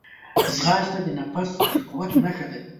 ځغاسته د نفس د قوت نښه ده